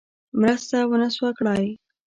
مرسته ونه سوه کړای.